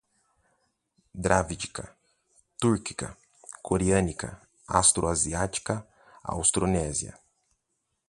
Dravídica, túrquica, coreânica, austro-asiática, austronésia